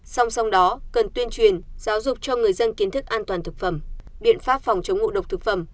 song song đó cần tuyên truyền giáo dục cho người dân kiến thức an toàn thực phẩm biện pháp phòng chống ngộ độc thực phẩm